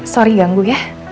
sorry ganggu ya